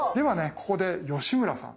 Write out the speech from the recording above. ここで吉村さんはい。